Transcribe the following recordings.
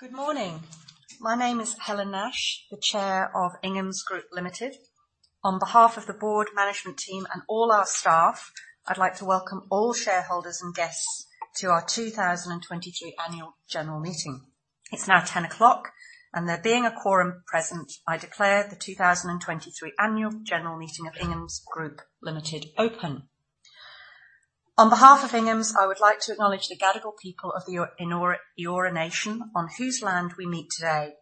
Good morning. My name is Helen Nash, the Chair of Inghams Group Limited. On behalf of the board, management team, and all our staff, I'd like to welcome all shareholders and guests to our 2023 annual general meeting. It's now 10:00 A.M., and there being a quorum present, I declare the 2023 annual general meeting of Inghams Group Limited open. On behalf of Inghams, I would like to acknowledge the Gadigal people of the Eora, Eora nation, on whose land we meet today.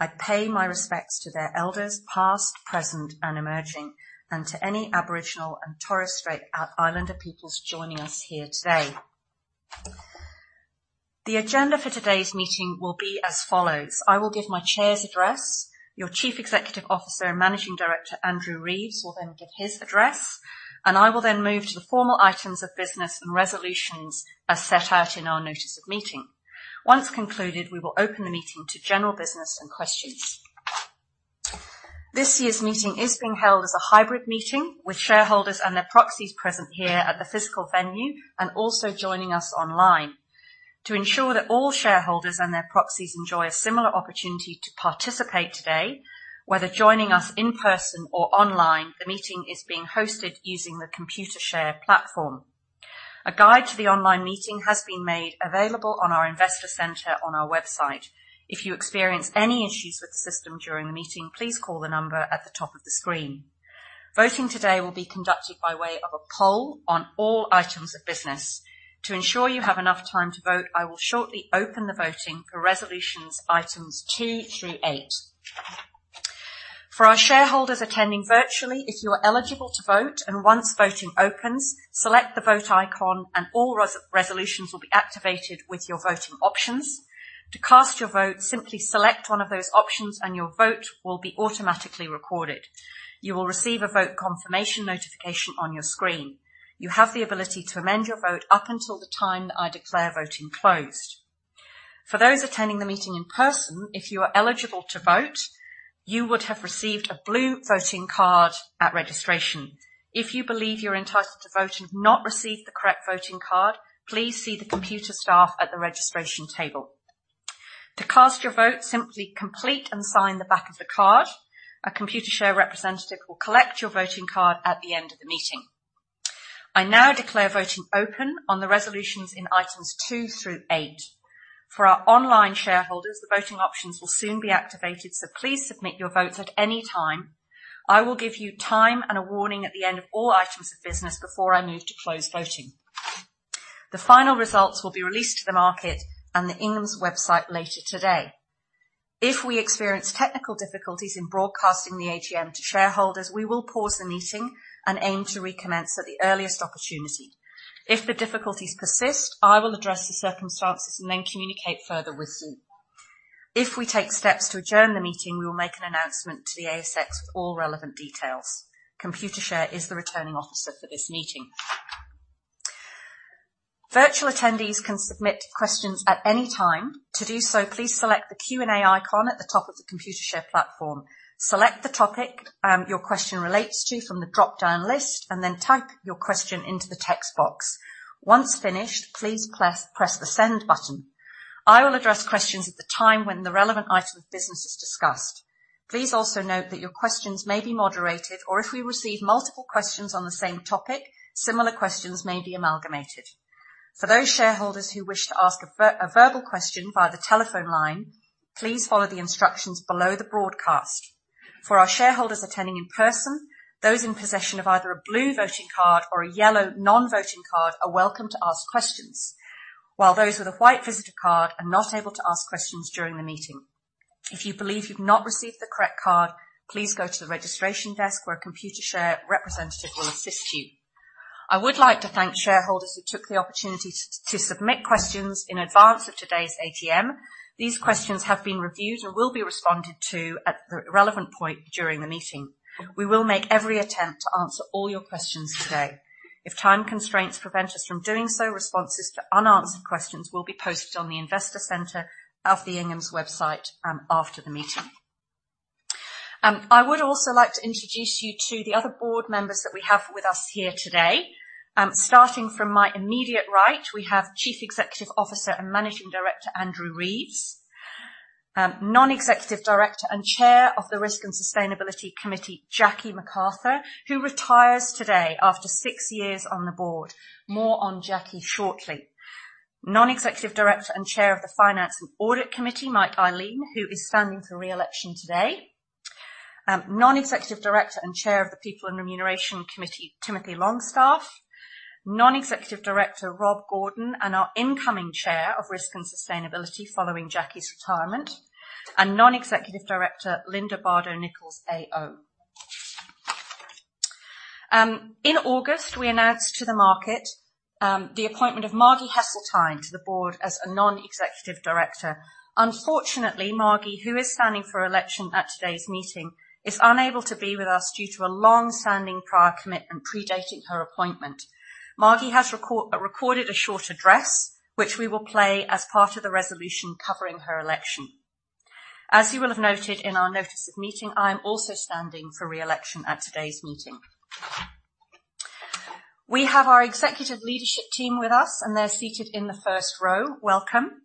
I pay my respects to their elders, past, present, and emerging, and to any Aboriginal and Torres Strait Islander peoples joining us here today. The agenda for today's meeting will be as follows: I will give my Chair's address. Your Chief Executive Officer and Managing Director, Andrew Reeves, will then give his address, and I will then move to the formal items of business and resolutions as set out in our notice of meeting. Once concluded, we will open the meeting to general business and questions. This year's meeting is being held as a hybrid meeting, with shareholders and their proxies present here at the physical venue and also joining us online. To ensure that all shareholders and their proxies enjoy a similar opportunity to participate today, whether joining us in person or online, the meeting is being hosted using the Computershare platform. A guide to the online meeting has been made available on our Investor Centre on our website. If you experience any issues with the system during the meeting, please call the number at the top of the screen. Voting today will be conducted by way of a poll on all items of business. To ensure you have enough time to vote, I will shortly open the voting for resolutions items 2 through 8. For our shareholders attending virtually, if you are eligible to vote and once voting opens, select the Vote icon and all resolutions will be activated with your voting options. To cast your vote, simply select one of those options, and your vote will be automatically recorded. You will receive a vote confirmation notification on your screen. You have the ability to amend your vote up until the time that I declare voting closed. For those attending the meeting in person, if you are eligible to vote, you would have received a blue voting card at registration. If you believe you're entitled to vote and have not received the correct voting card, please see the Computershare staff at the registration table. To cast your vote, simply complete and sign the back of the card. A Computershare representative will collect your voting card at the end of the meeting. I now declare voting open on the resolutions in items two through eight. For our online shareholders, the voting options will soon be activated, so please submit your votes at any time. I will give you time and a warning at the end of all items of business before I move to close voting. The final results will be released to the market and the Inghams website later today. If we experience technical difficulties in broadcasting the AGM to shareholders, we will pause the meeting and aim to recommence at the earliest opportunity. If the difficulties persist, I will address the circumstances and then communicate further with you. If we take steps to adjourn the meeting, we will make an announcement to the ASX with all relevant details. Computershare is the Returning Officer for this meeting. Virtual attendees can submit questions at any time. To do so, please select the Q&A icon at the top of the Computershare platform. Select the topic your question relates to from the dropdown list and then type your question into the text box. Once finished, please press the Send button. I will address questions at the time when the relevant item of business is discussed. Please also note that your questions may be moderated or if we receive multiple questions on the same topic, similar questions may be amalgamated. For those shareholders who wish to ask a verbal question via the telephone line, please follow the instructions below the broadcast. For our shareholders attending in person, those in possession of either a blue voting card or a yellow non-voting card are welcome to ask questions, while those with a white visitor card are not able to ask questions during the meeting. If you believe you've not received the correct card, please go to the registration desk, where a Computershare representative will assist you. I would like to thank shareholders who took the opportunity to submit questions in advance of today's AGM. These questions have been reviewed and will be responded to at the relevant point during the meeting. We will make every attempt to answer all your questions today. If time constraints prevent us from doing so, responses to unanswered questions will be posted on the Investor Center of the Inghams website, after the meeting. I would also like to introduce you to the other board members that we have with us here today. Starting from my immediate right, we have Chief Executive Officer and Managing Director, Andrew Reeves. Non-Executive Director and Chair of the Risk and Sustainability Committee, Jackie McArthur, who retires today after six years on the board. More on Jackie shortly. Non-Executive Director and Chair of the Finance and Audit Committee, Mike Ihlein, who is standing for re-election today. Non-Executive Director and Chair of the People and Remuneration Committee, Timothy Longstaff, Non-Executive Director, Rob Gordon, and our incoming Chair of Risk and Sustainability, following Jackie's retirement, and Non-Executive Director, Linda Bardo Nicholls, AO. In August, we announced to the market the appointment of Margie Haseltine to the board as a Non-Executive Director. Unfortunately, Margie, who is standing for election at today's meeting, is unable to be with us due to a long-standing prior commitment predating her appointment. Margie has recorded a short address, which we will play as part of the resolution covering her election. As you will have noted in our notice of meeting, I am also standing for re-election at today's meeting. We have our executive leadership team with us, and they're seated in the first row. Welcome.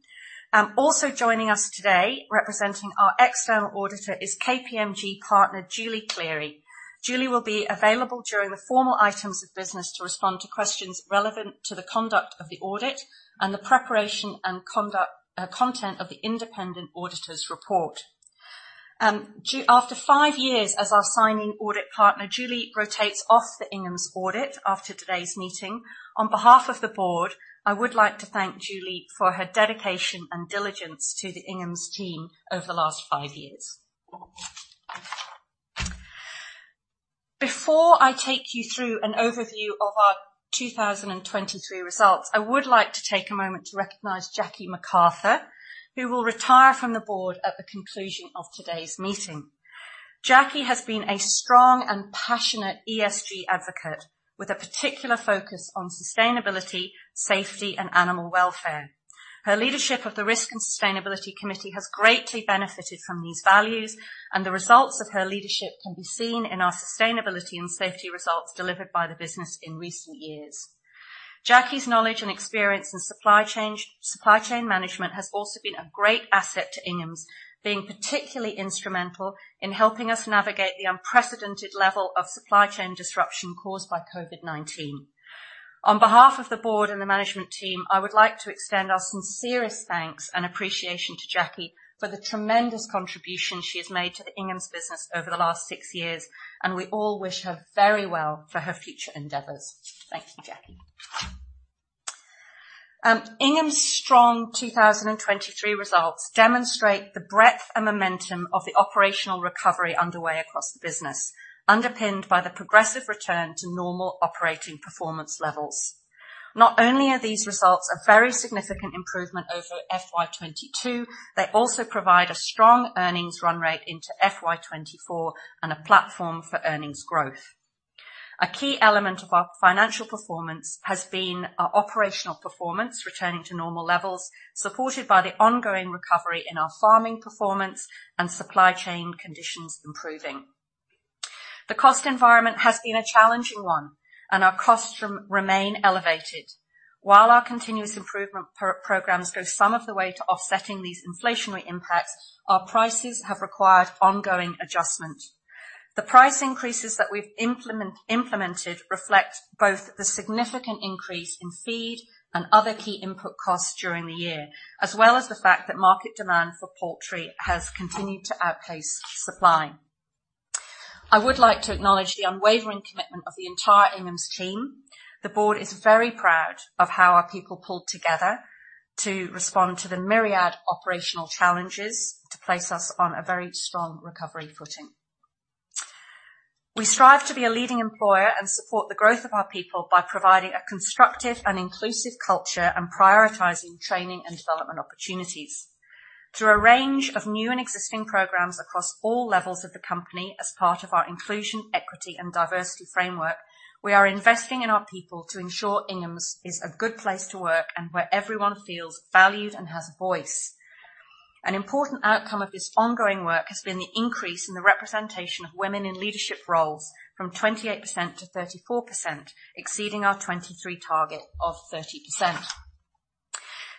Also joining us today, representing our external auditor, is KPMG partner Julie Cleary. Julie will be available during the formal items of business to respond to questions relevant to the conduct of the audit and the preparation and conduct, content of the independent auditor's report. After five years as our signing audit partner, Julie rotates off the Inghams audit after today's meeting. On behalf of the board, I would like to thank Julie for her dedication and diligence to the Inghams team over the last five years. Before I take you through an overview of our 2023 results, I would like to take a moment to recognize Jackie McArthur, who will retire from the board at the conclusion of today's meeting. Jackie has been a strong and passionate ESG advocate, with a particular focus on sustainability, safety, and animal welfare. Her leadership of the Risk and Sustainability Committee has greatly benefited from these values, and the results of her leadership can be seen in our sustainability and safety results delivered by the business in recent years. Jackie's knowledge and experience in supply chain, supply chain management has also been a great asset to Inghams, being particularly instrumental in helping us navigate the unprecedented level of supply chain disruption caused by COVID-19. On behalf of the board and the management team, I would like to extend our sincerest thanks and appreciation to Jackie for the tremendous contribution she has made to the Inghams business over the last six years, and we all wish her very well for her future endeavors. Thank you, Jackie. Inghams' strong 2023 results demonstrate the breadth and momentum of the operational recovery underway across the business, underpinned by the progressive return to normal operating performance levels. Not only are these results a very significant improvement over FY 2022, they also provide a strong earnings run rate into FY 2024 and a platform for earnings growth. A key element of our financial performance has been our operational performance, returning to normal levels, supported by the ongoing recovery in our farming performance and supply chain conditions improving. The cost environment has been a challenging one, and our costs remain elevated. While our continuous improvement programs go some of the way to offsetting these inflationary impacts, our prices have required ongoing adjustment. The price increases that we've implemented reflect both the significant increase in feed and other key input costs during the year, as well as the fact that market demand for poultry has continued to outpace supply. I would like to acknowledge the unwavering commitment of the entire Inghams team. The board is very proud of how our people pulled together to respond to the myriad operational challenges to place us on a very strong recovery footing. We strive to be a leading employer and support the growth of our people by providing a constructive and inclusive culture and prioritizing training and development opportunities. Through a range of new and existing programs across all levels of the company, as part of our inclusion, equity, and diversity framework, we are investing in our people to ensure Inghams is a good place to work and where everyone feels valued and has a voice. An important outcome of this ongoing work has been the increase in the representation of women in leadership roles from 28% to 34%, exceeding our 2023 target of 30%.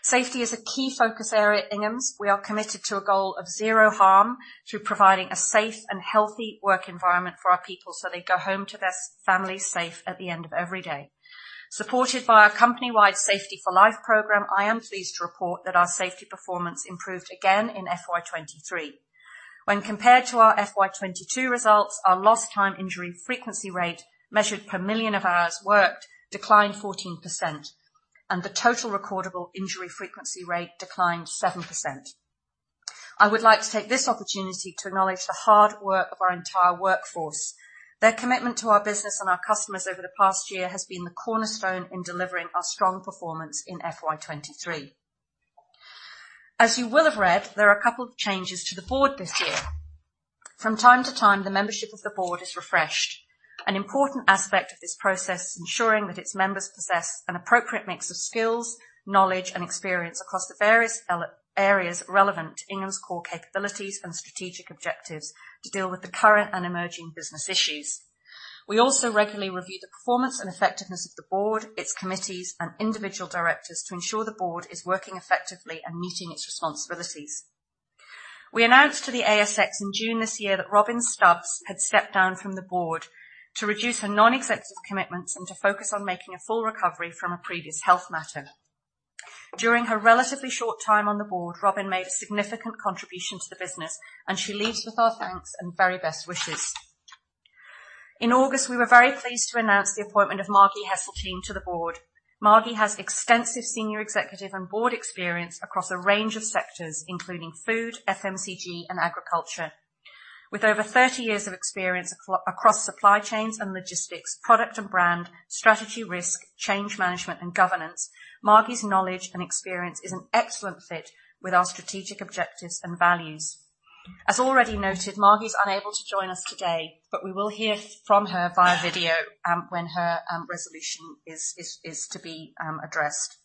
Safety is a key focus area at Inghams. We are committed to a goal of zero harm through providing a safe and healthy work environment for our people, so they go home to their families safe at the end of every day. Supported by our company-wide Safety for Life program, I am pleased to report that our safety performance improved again in FY 2023. When compared to our FY 2022 results, our lost time injury frequency rate, measured per million of hours worked, declined 14%, and the total recordable injury frequency rate declined 7%. I would like to take this opportunity to acknowledge the hard work of our entire workforce. Their commitment to our business and our customers over the past year has been the cornerstone in delivering our strong performance in FY 2023. As you will have read, there are a couple of changes to the board this year. From time to time, the membership of the board is refreshed. An important aspect of this process is ensuring that its members possess an appropriate mix of skills, knowledge, and experience across the various areas relevant to Inghams' core capabilities and strategic objectives to deal with the current and emerging business issues. We also regularly review the performance and effectiveness of the board, its committees, and individual directors to ensure the board is working effectively and meeting its responsibilities. We announced to the ASX in June this year, that Robyn Stubbs had stepped down from the board to reduce her non-executive commitments and to focus on making a full recovery from a previous health matter. During her relatively short time on the board, Robyn made a significant contribution to the business, and she leaves with our thanks and very best wishes. In August, we were very pleased to announce the appointment of Margie Haseltine to the board. Margie has extensive senior executive and board experience across a range of sectors, including food, FMCG, and agriculture. With over thirty years of experience across supply chains and logistics, product and brand, strategy, risk, change, management, and governance, Margie's knowledge and experience is an excellent fit with our strategic objectives and values. As already noted, Margie's unable to join us today, but we will hear from her via video when her resolution is to be addressed.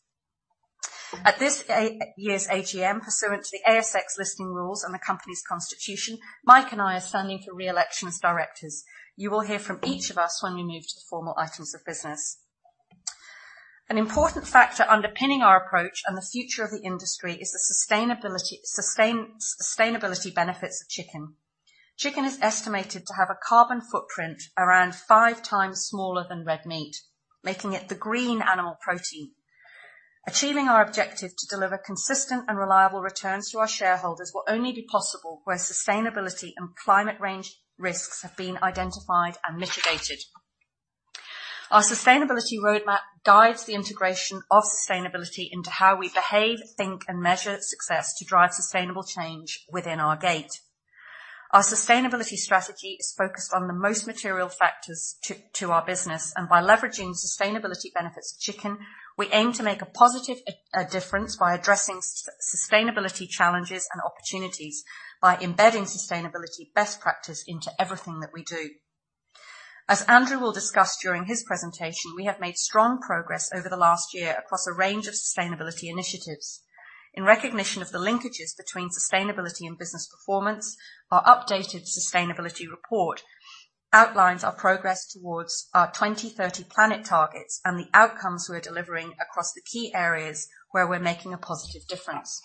At this year's AGM, pursuant to the ASX Listing Rules and the company's constitution, Mike and I are standing for re-election as directors. You will hear from each of us when we move to the formal items of business. An important factor underpinning our approach and the future of the industry is the sustainability benefits of chicken. Chicken is estimated to have a carbon footprint around 5 times smaller than red meat, making it the green animal protein. Achieving our objective to deliver consistent and reliable returns to our shareholders will only be possible where sustainability and climate change risks have been identified and mitigated. Our sustainability roadmap guides the integration of sustainability into how we behave, think, and measure success to drive sustainable change within our gate. Our sustainability strategy is focused on the most material factors to our business, and by leveraging sustainability benefits of chicken, we aim to make a positive difference by addressing sustainability challenges and opportunities, by embedding sustainability best practice into everything that we do. As Andrew will discuss during his presentation, we have made strong progress over the last year across a range of sustainability initiatives. In recognition of the linkages between sustainability and business performance, our updated sustainability report outlines our progress towards our 2030 planet targets and the outcomes we're delivering across the key areas where we're making a positive difference.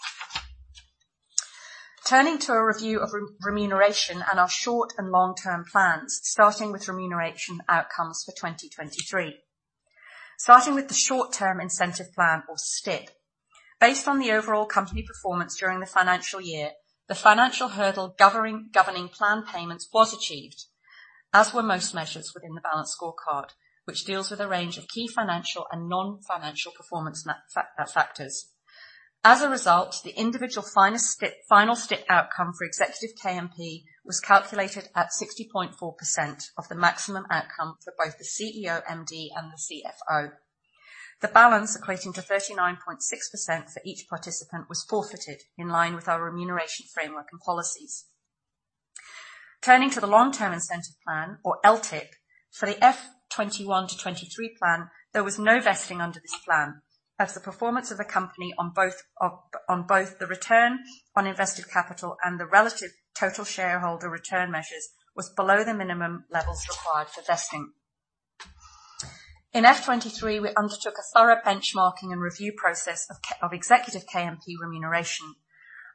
Turning to a review of remuneration and our short and long-term plans, starting with remuneration outcomes for 2023. Starting with the short-term incentive plan, or STIP. Based on the overall company performance during the financial year, the financial hurdle governing plan payments was achieved, as were most measures within the balanced scorecard, which deals with a range of key financial and non-financial performance factors. As a result, the individual final STIP outcome for Executive KMP was calculated at 60.4% of the maximum outcome for both the CEO, MD, and the CFO. The balance, equating to 39.6% for each participant, was forfeited in line with our remuneration framework and policies. Turning to the long-term incentive plan, or LTIP, for the FY 2021 to 2023 plan, there was no vesting under this plan, as the performance of the company on both the return on invested capital and the relative total shareholder return measures was below the minimum levels required for vesting. In FY 2023, we undertook a thorough benchmarking and review process of executive KMP remuneration.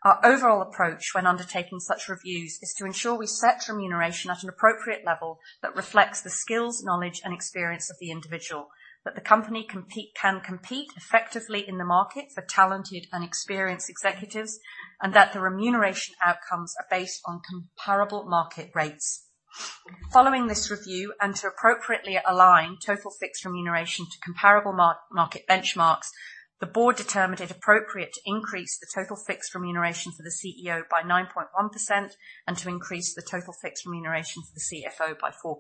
Our overall approach when undertaking such reviews is to ensure we set remuneration at an appropriate level that reflects the skills, knowledge, and experience of the individual, that the company can compete effectively in the market for talented and experienced executives, and that the remuneration outcomes are based on comparable market rates. Following this review, and to appropriately align total fixed remuneration to comparable market benchmarks, the board determined it appropriate to increase the total fixed remuneration for the CEO by 9.1%, and to increase the total fixed remuneration for the CFO by 4%.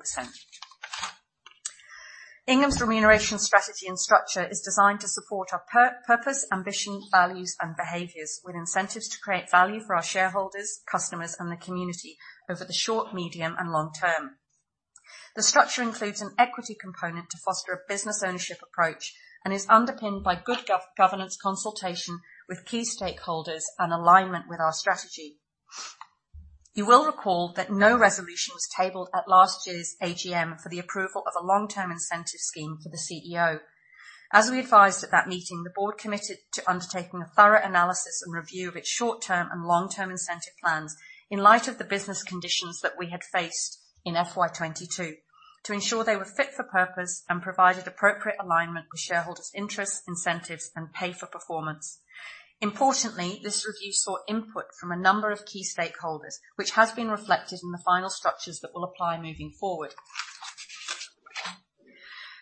Inghams' remuneration strategy and structure is designed to support our purpose, ambition, values, and behaviors, with incentives to create value for our shareholders, customers, and the community over the short, medium, and long term. The structure includes an equity component to foster a business ownership approach, and is underpinned by good governance consultation with key stakeholders and alignment with our strategy. You will recall that no resolution was tabled at last year's AGM for the approval of a long-term incentive scheme for the CEO. As we advised at that meeting, the board committed to undertaking a thorough analysis and review of its short-term and long-term incentive plans in light of the business conditions that we had faced in FY 2022, to ensure they were fit for purpose and provided appropriate alignment with shareholders' interests, incentives, and pay for performance. Importantly, this review sought input from a number of key stakeholders, which has been reflected in the final structures that will apply moving forward.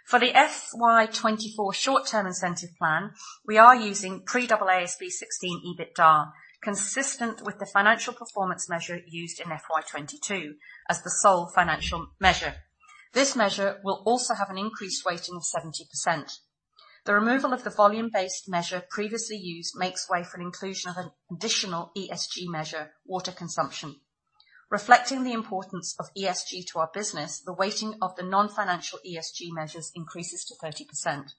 For the FY 2024 short-term incentive plan, we are using pre-AASB 16 EBITDA, consistent with the financial performance measure used in FY 2022 as the sole financial measure. This measure will also have an increased weighting of 70%. The removal of the volume-based measure previously used, makes way for inclusion of an additional ESG measure, water consumption. Reflecting the importance of ESG to our business, the weighting of the non-financial ESG measures increases to 30%.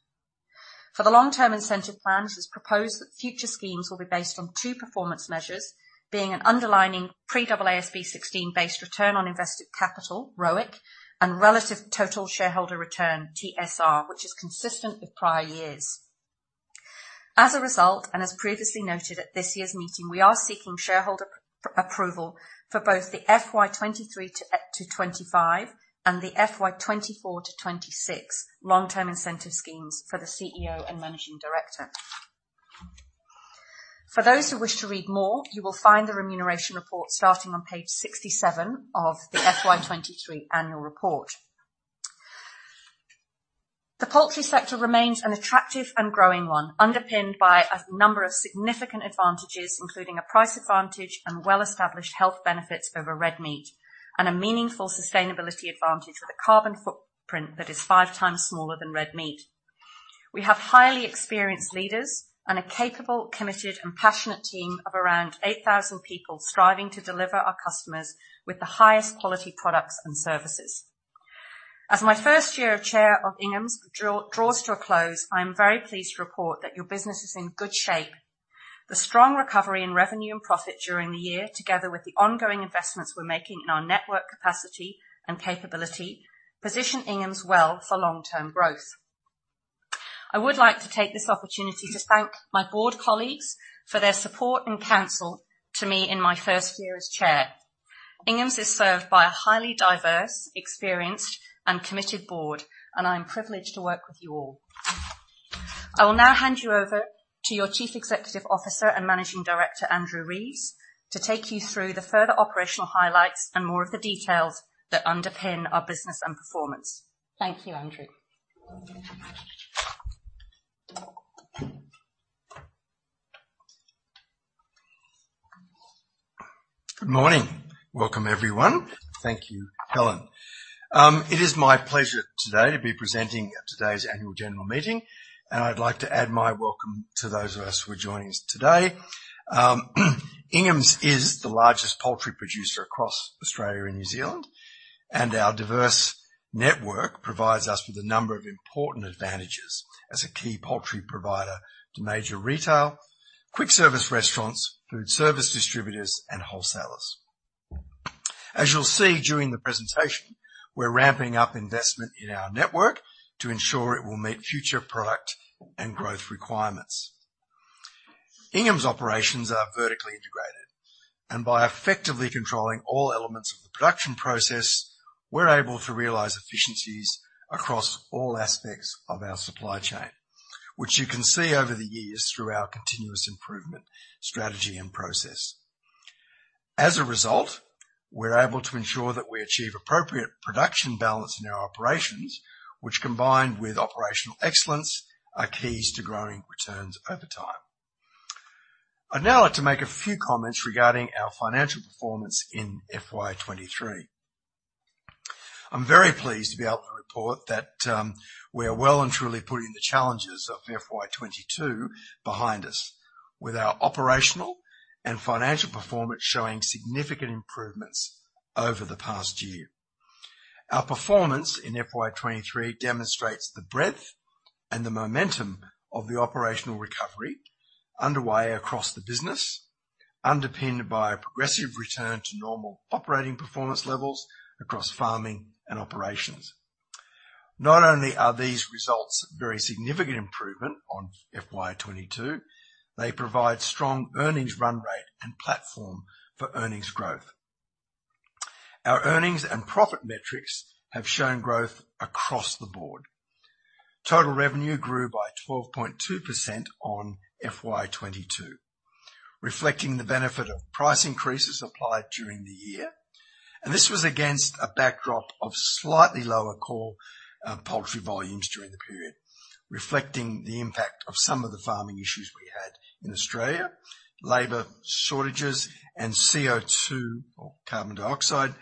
For the long-term incentive plans, it's proposed that future schemes will be based on two performance measures, being an underlying pre-AASB 16-based return on invested capital, ROIC, and relative total shareholder return, TSR, which is consistent with prior years. As a result, and as previously noted at this year's meeting, we are seeking shareholder approval for both the FY 2023 to 2025, and the FY 2024 to 2026 long-term incentive schemes for the CEO and managing director. For those who wish to read more, you will find the remuneration report starting on page 67 of the FY 2023 annual report. The poultry sector remains an attractive and growing one, underpinned by a number of significant advantages, including a price advantage and well-established health benefits over red meat, and a meaningful sustainability advantage, with a carbon footprint that is five times smaller than red meat. We have highly experienced leaders and a capable, committed, and passionate team of around 8,000 people, striving to deliver our customers with the highest quality products and services. As my first year as Chair of Inghams draws to a close, I am very pleased to report that your business is in good shape. The strong recovery in revenue and profit during the year, together with the ongoing investments we're making in our network capacity and capability, position Inghams well for long-term growth. I would like to take this opportunity to thank my board colleagues for their support and counsel to me in my first year as Chair. Inghams is served by a highly diverse, experienced, and committed board, and I'm privileged to work with you all. I will now hand you over to your Chief Executive Officer and Managing Director, Andrew Reeves, to take you through the further operational highlights and more of the details that underpin our business and performance. Thank you, Andrew. Good morning. Welcome, everyone. Thank you, Helen. It is my pleasure today to be presenting at today's annual general meeting, and I'd like to add my welcome to those of us who are joining us today. Inghams is the largest poultry producer across Australia and New Zealand, and our diverse network provides us with a number of important advantages as a key poultry provider to major retail, quick service restaurants, food service distributors, and wholesalers. As you'll see during the presentation, we're ramping up investment in our network to ensure it will meet future product and growth requirements. Inghams' operations are vertically integrated, and by effectively controlling all elements of the production process, we're able to realize efficiencies across all aspects of our supply chain, which you can see over the years through our continuous improvement, strategy, and process. As a result, we're able to ensure that we achieve appropriate production balance in our operations, which, combined with operational excellence, are keys to growing returns over time. I'd now like to make a few comments regarding our financial performance in FY 2023. I'm very pleased to be able to report that we are well and truly putting the challenges of FY 2022 behind us, with our operational and financial performance showing significant improvements over the past year. Our performance in FY 2023 demonstrates the breadth and the momentum of the operational recovery underway across the business, underpinned by a progressive return to normal operating performance levels across farming and operations. Not only are these results very significant improvement on FY 2022, they provide strong earnings run rate and platform for earnings growth. Our earnings and profit metrics have shown growth across the board. Total revenue grew by 12.2% on FY 2022, reflecting the benefit of price increases applied during the year, and this was against a backdrop of slightly lower core poultry volumes during the period, reflecting the impact of some of the farming issues we had in Australia, labor shortages, and CO2, or carbon dioxide,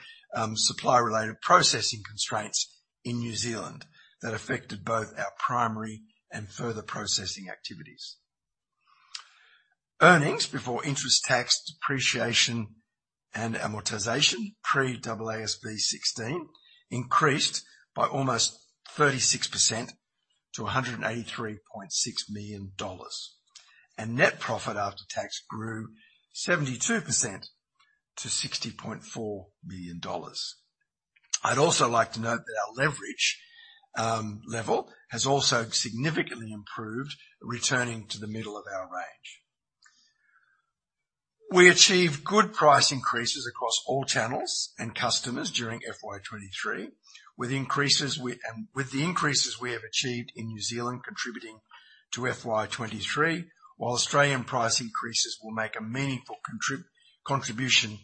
supply-related processing constraints in New Zealand that affected both our primary and further processing activities. Earnings before interest, tax, depreciation, and amortization, pre-AASB 16, increased by almost 36% to AUD 183.6 million, and net profit after tax grew 72% to AUD 60.4 million. I'd also like to note that our leverage level has also significantly improved, returning to the middle of our range. We achieved good price increases across all channels and customers during FY 2023, with increases we... With the increases we have achieved in New Zealand contributing to FY23, while Australian price increases will make a meaningful contribution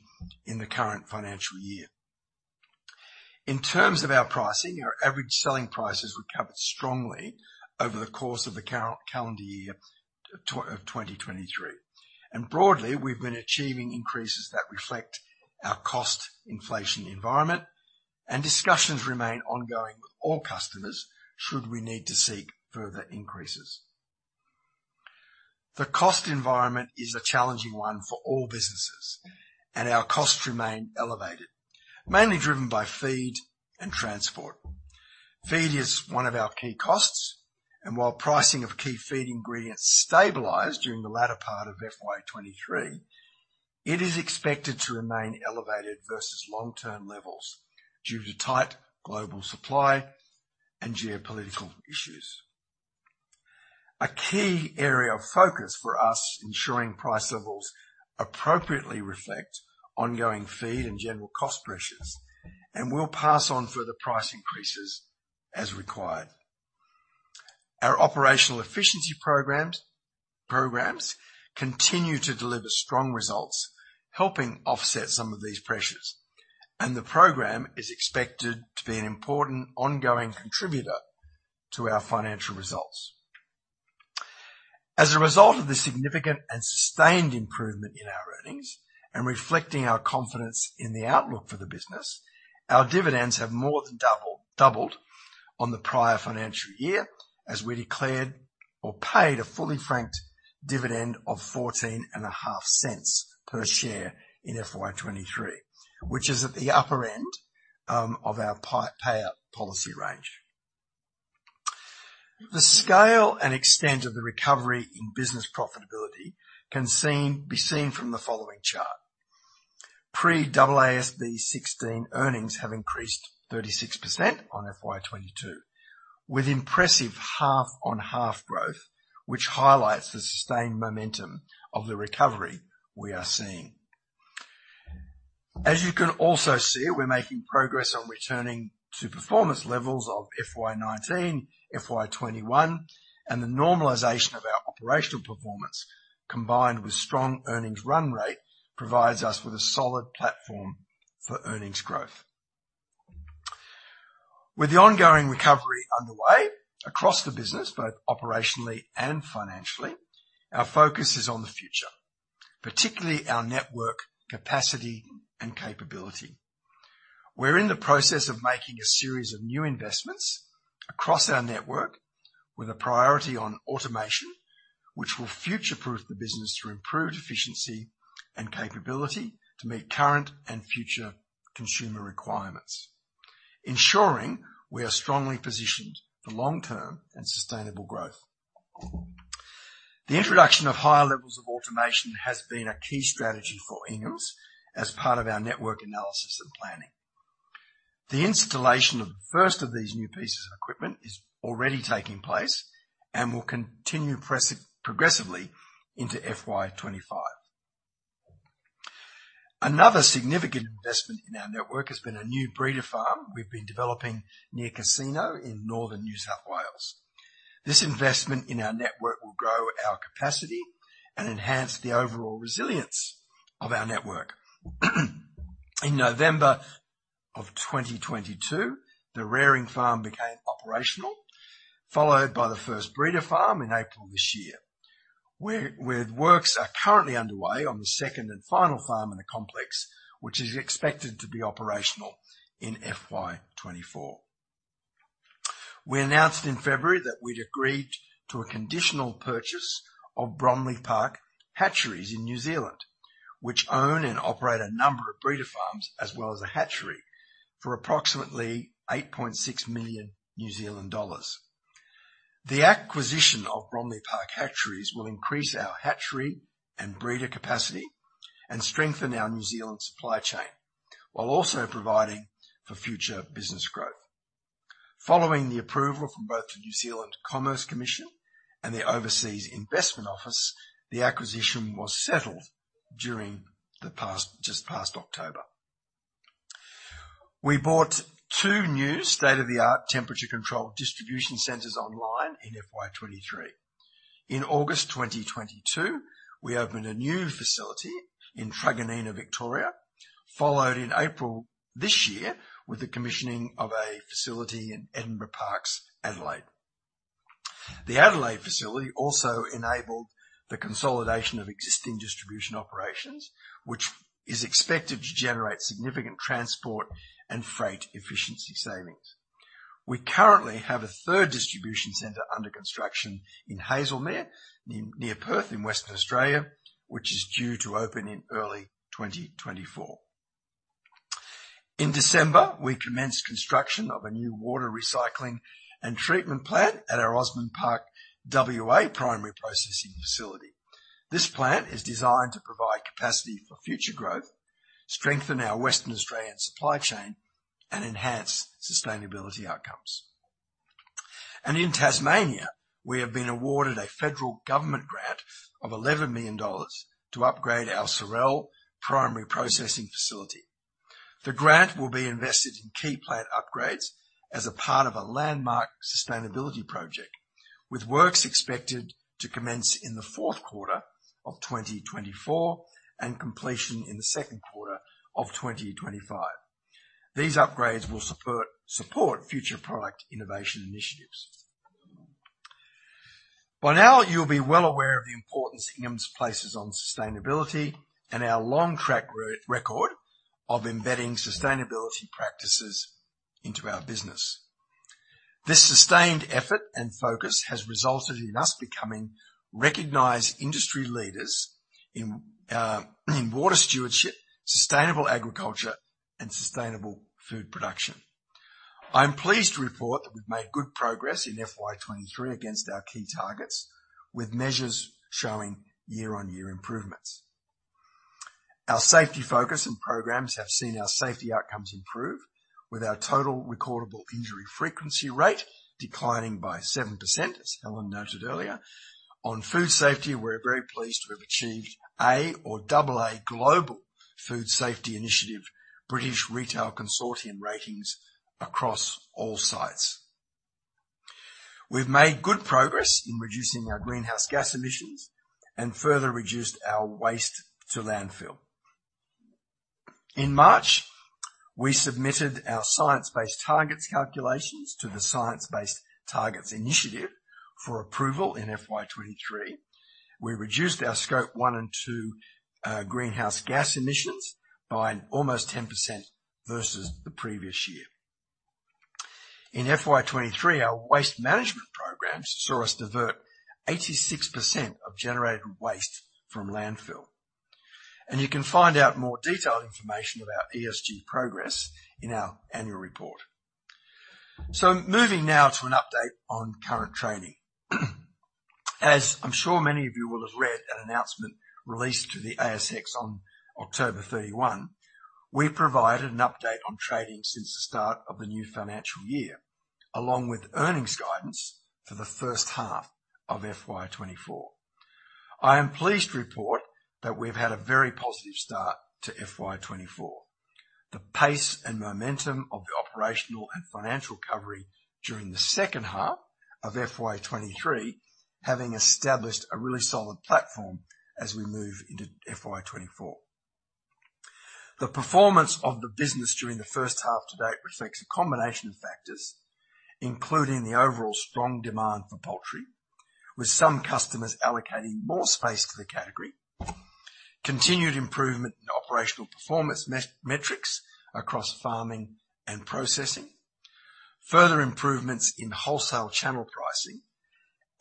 in the current financial year. In terms of our pricing, our average selling prices recovered strongly over the course of the calendar year of 2023, and broadly, we've been achieving increases that reflect our cost inflation environment, and discussions remain ongoing with all customers should we need to seek further increases. The cost environment is a challenging one for all businesses, and our costs remain elevated, mainly driven by feed and transport. Feed is one of our key costs, and while pricing of key feed ingredients stabilized during the latter part of FY23, it is expected to remain elevated versus long-term levels due to tight global supply and geopolitical issues. A key area of focus for us, ensuring price levels appropriately reflect ongoing feed and general cost pressures, and we'll pass on further price increases as required. Our operational efficiency programs continue to deliver strong results, helping offset some of these pressures, and the program is expected to be an important ongoing contributor to our financial results. As a result of the significant and sustained improvement in our earnings, and reflecting our confidence in the outlook for the business, our dividends have more than doubled on the prior financial year, as we declared or paid a fully franked dividend of 0.145 per share in FY 2023, which is at the upper end of our payout policy range. The scale and extent of the recovery in business profitability can be seen from the following chart. Pre-AASB 16 earnings have increased 36% on FY 2022, with impressive half-on-half growth, which highlights the sustained momentum of the recovery we are seeing. As you can also see, we're making progress on returning to performance levels of FY 2019, FY 2021, and the normalization of our operational performance, combined with strong earnings run rate, provides us with a solid platform for earnings growth. With the ongoing recovery underway across the business, both operationally and financially, our focus is on the future, particularly our network capacity and capability. We're in the process of making a series of new investments across our network with a priority on automation, which will future-proof the business through improved efficiency and capability to meet current and future consumer requirements, ensuring we are strongly positioned for long-term and sustainable growth. The introduction of higher levels of automation has been a key strategy for Inghams as part of our network analysis and planning. The installation of the first of these new pieces of equipment is already taking place and will continue progressively into FY 25. Another significant investment in our network has been a new breeder farm we've been developing near Casino in northern New South Wales. This investment in our network will grow our capacity and enhance the overall resilience of our network. In November of 2022, the rearing farm became operational, followed by the first breeder farm in April this year. Works are currently underway on the second and final farm in the complex, which is expected to be operational in FY 24. We announced in February that we'd agreed to a conditional purchase of Bromley Park Hatcheries in New Zealand, which own and operate a number of breeder farms as well as a hatchery, for approximately 8.6 million New Zealand dollars. The acquisition of Bromley Park Hatcheries will increase our hatchery and breeder capacity and strengthen our New Zealand supply chain, while also providing for future business growth. Following the approval from both the New Zealand Commerce Commission and the Overseas Investment Office, the acquisition was settled during the past just past October. We brought 2 new state-of-the-art, temperature-controlled distribution centers online in FY 23. In August 2022, we opened a new facility in Truganina, Victoria, followed in April this year with the commissioning of a facility in Edinburgh Parks, Adelaide. The Adelaide facility also enabled the consolidation of existing distribution operations, which is expected to generate significant transport and freight efficiency savings. We currently have a third distribution center under construction in Hazelmere near Perth in Western Australia, which is due to open in early 2024. In December, we commenced construction of a new water recycling and treatment plant at our Osborne Park, WA, primary processing facility. This plant is designed to provide capacity for future growth, strengthen our Western Australian supply chain, and enhance sustainability outcomes. In Tasmania, we have been awarded a federal government grant of 11 million dollars to upgrade our Sorell primary processing facility. The grant will be invested in key plant upgrades as a part of a landmark sustainability project, with works expected to commence in the fourth quarter of 2024 and completion in the second quarter of 2025. These upgrades will support future product innovation initiatives. By now, you'll be well aware of the importance Inghams places on sustainability and our long track record of embedding sustainability practices into our business. This sustained effort and focus has resulted in us becoming recognized industry leaders in water stewardship, sustainable agriculture, and sustainable food production. I'm pleased to report that we've made good progress in FY 2023 against our key targets, with measures showing year-on-year improvements. Our safety focus and programs have seen our safety outcomes improve, with our total recordable injury frequency rate declining by 7%, as Helen noted earlier. On food safety, we're very pleased to have achieved A or AA Global Food Safety Initiative, British Retail Consortium ratings across all sites. We've made good progress in reducing our greenhouse gas emissions and further reduced our waste to landfill. In March, we submitted our science-based targets calculations to the Science Based Targets initiative for approval. In FY 2023, we reduced our Scope 1 and 2 greenhouse gas emissions by almost 10% versus the previous year. In FY 2023, our waste management programs saw us divert 86% of generated waste from landfill. And you can find out more detailed information about ESG progress in our annual report. So moving now to an update on current trading. As I'm sure many of you will have read that announcement released to the ASX on October 31, we provided an update on trading since the start of the new financial year, along with earnings guidance for the first half of FY 2024. I am pleased to report that we've had a very positive start to FY 2024. The pace and momentum of the operational and financial recovery during the second half of FY 2023, having established a really solid platform as we move into FY 2024. The performance of the business during the first half to date reflects a combination of factors, including the overall strong demand for poultry, with some customers allocating more space to the category. Continued improvement in operational performance metrics across farming and processing, further improvements in wholesale channel pricing,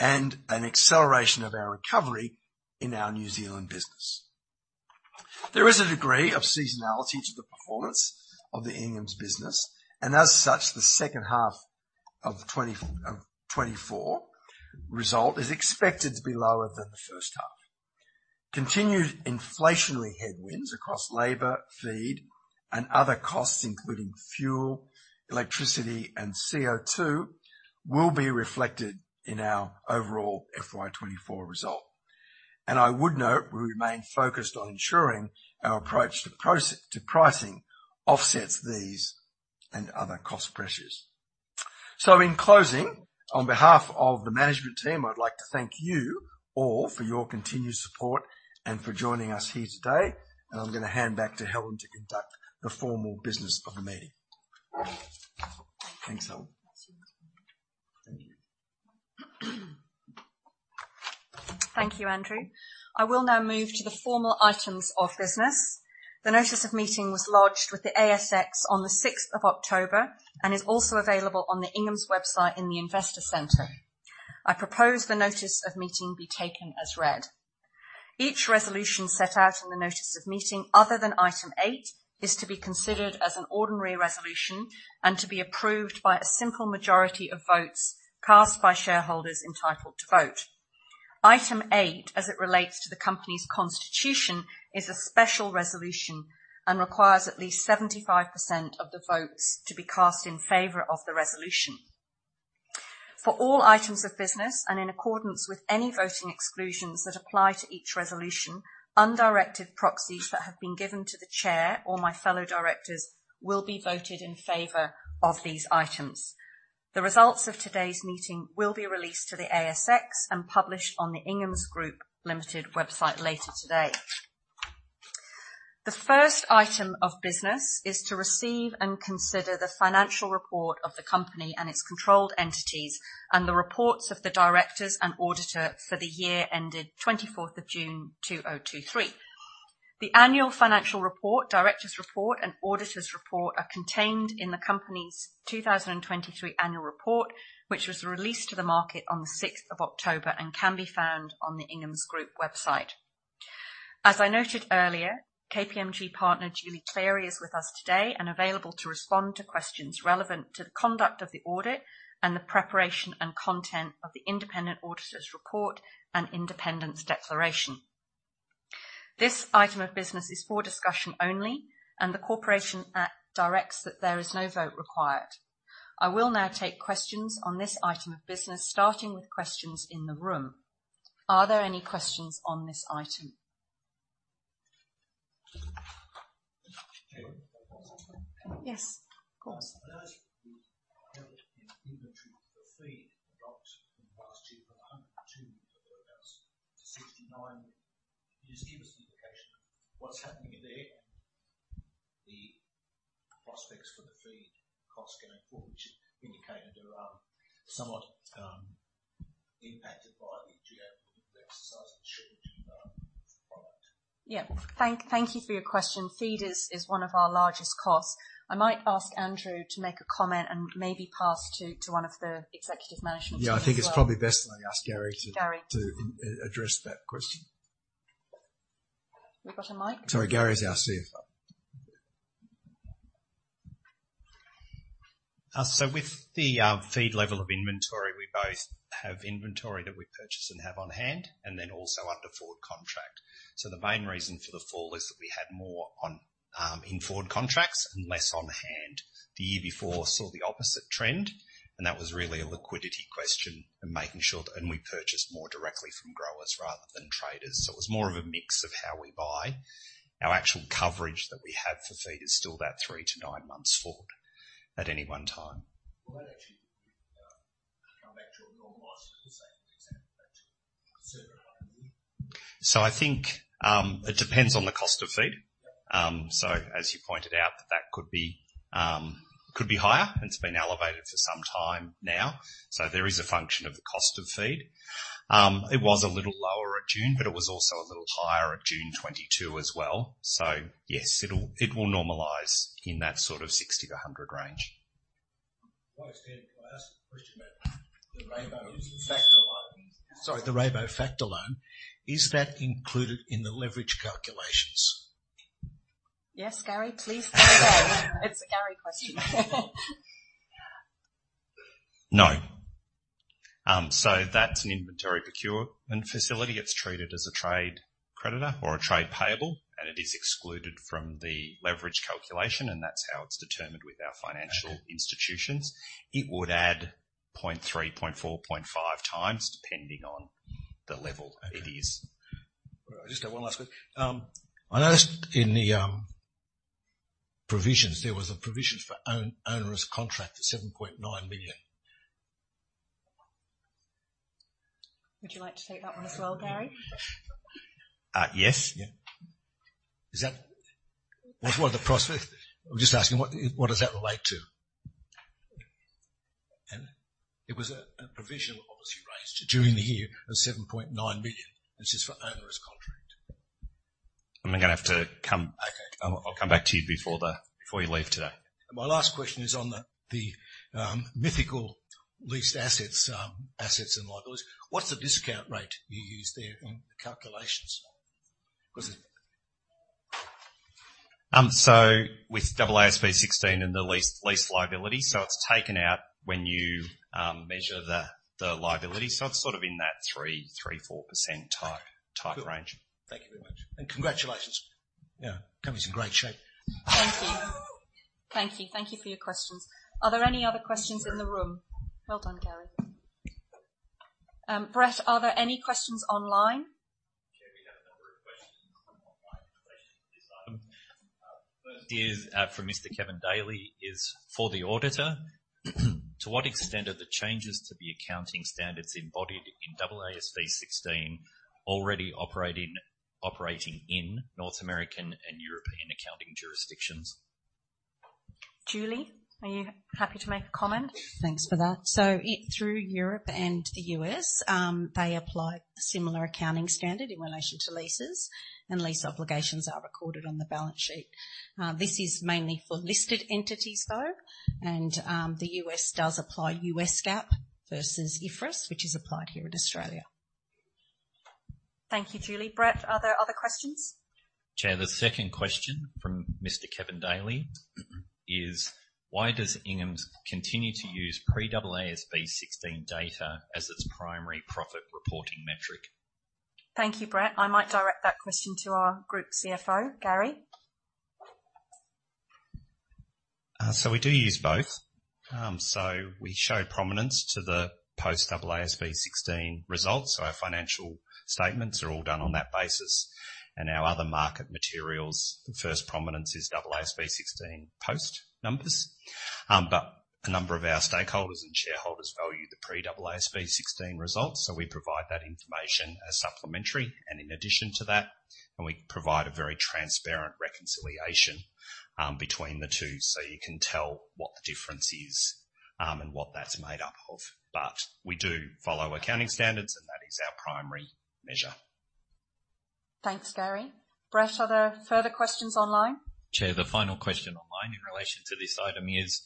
and an acceleration of our recovery in our New Zealand business. There is a degree of seasonality to the performance of the Inghams business, and as such, the second half of 2024 result is expected to be lower than the first half. Continued inflationary headwinds across labor, feed, and other costs, including fuel, electricity, and CO2, will be reflected in our overall FY 2024 result. I would note, we remain focused on ensuring our approach to pricing offsets these and other cost pressures. So in closing, on behalf of the management team, I'd like to thank you all for your continued support and for joining us here today, and I'm gonna hand back to Helen to conduct the formal business of the meeting. Thanks, Helen. Thank you. Thank you, Andrew. I will now move to the formal items of business. The notice of meeting was lodged with the ASX on the sixth of October, and is also available on the Inghams website in the Investor Center. I propose the notice of meeting be taken as read. Each resolution set out in the notice of meeting, other than item eight, is to be considered as an ordinary resolution and to be approved by a simple majority of votes cast by shareholders entitled to vote. Item eight, as it relates to the company's constitution, is a special resolution and requires at least 75% of the votes to be cast in favor of the resolution. For all items of business, and in accordance with any voting exclusions that apply to each resolution, undirected proxies that have been given to the chair or my fellow directors will be voted in favor of these items. The results of today's meeting will be released to the ASX and published on the Inghams Group Limited website later today. The first item of business is to receive and consider the financial report of the company and its controlled entities, and the reports of the directors and auditor for the year ended 24th of June 2023. The annual financial report, directors' report, and auditor's report, are contained in the company's 2023 annual report, which was released to the market on the 6th of October and can be found on the Inghams Group website. As I noted earlier, KPMG partner, Julie Cleary, is with us today and available to respond to questions relevant to the conduct of the audit and the preparation and content of the independent auditor's report and independence declaration. This item of business is for discussion only, and the Corporations Act directs that there is no vote required. I will now take questions on this item of business, starting with questions in the room. Are there any questions on this item?... Yes, of course. Notice the inventory for feed dropped from the last year from 100 to about 69. Can you just give us an indication of what's happening in there, the prospects for the feed costs going forward, which you indicated are somewhat impacted by the geographical exercise and shortage of product? Yeah. Thank you for your question. Feed is one of our largest costs. I might ask Andrew to make a comment and maybe pass to one of the executive management team as well. Yeah, I think it's probably best that I ask Gary to- Gary. - to, address that question. We've got a mic? Sorry, Gary is our CFO. So with the feed level of inventory, we both have inventory that we purchase and have on hand, and then also under forward contract. So the main reason for the fall is that we had more on in forward contracts and less on hand. The year before saw the opposite trend, and that was really a liquidity question and making sure that we purchased more directly from growers rather than traders. So it was more of a mix of how we buy. Our actual coverage that we have for feed is still about three to nine months forward at any one time. Well, that actually comes back to a normalized the same-... So I think, it depends on the cost of feed. So as you pointed out, that that could be, could be higher, and it's been elevated for some time now. So there is a function of the cost of feed. It was a little lower at June, but it was also a little higher at June 2022 as well. So yes, it'll, it will normalize in that sort of 60-100 range. Well, I understand. Can I ask a question about the Rabo factor loan? Sorry, the Rabo factor loan, is that included in the leverage calculations? Yes, Gary, please. It's a Gary question. No. So that's an inventory procurement facility. It's treated as a trade creditor or a trade payable, and it is excluded from the leverage calculation, and that's how it's determined with our financial institutions. It would add 0.3, 0.4, 0.5 times, depending on the level it is. I just have one last question. I noticed in the provisions, there was a provision for onerous contract at 7.9 million. Would you like to take that one as well, Gary? Yes. Yeah. Is that... What, what are the prospects? I'm just asking, what, what does that relate to? And it was a provision obviously raised during the year of 7.9 million, which is for onerous contract. I'm gonna have to come- Okay. I'll come back to you before you leave today. My last question is on the mythical leased assets, assets and liabilities. What's the discount rate you use there in the calculations? Because it- So with AASB 16 and the lease liability, so it's taken out when you measure the liability. So it's sort of in that 3-4% type range. Thank you very much, and congratulations. Yeah, company's in great shape. Thank you. Thank you. Thank you for your questions. Are there any other questions in the room? Well done, Gary. Brett, are there any questions online? Sure. We have a number of questions online in relation to this item. First is, from Mr. Kevin Daly, is: For the auditor, to what extent are the changes to the accounting standards embodied in AASB 16 already operating in North American and European accounting jurisdictions? Julie, are you happy to make a comment? Thanks for that. So, through Europe and the US, they apply a similar accounting standard in relation to leases, and lease obligations are recorded on the balance sheet. This is mainly for listed entities, though, and the US does apply US GAAP versus IFRS, which is applied here in Australia. Thank you, Julie. Brett, are there other questions? Chair, the second question from Mr. Kevin Daly is: Why does Inghams continue to use pre-AASB 16 data as its primary profit reporting metric? Thank you, Brett. I might direct that question to our Group CFO. Gary? We do use both. We show prominence to the post-AASB 16 results. Our financial statements are all done on that basis, and our other market materials, the first prominence is AASB 16 post numbers. A number of our stakeholders and shareholders value the pre-AASB 16 results, so we provide that information as supplementary and in addition to that. We provide a very transparent reconciliation between the two, so you can tell what the difference is, and what that's made up of. We do follow accounting standards, and that is our primary measure. Thanks, Gary. Brett, are there further questions online? Chair, the final question online in relation to this item is